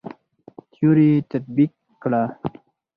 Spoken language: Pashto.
تيوري تطبيق کړه.